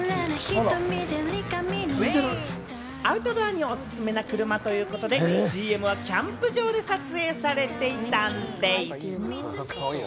アウトドアにおすすめな車ということで、このＣＭはキャンプ場で撮影されていたんでぃす！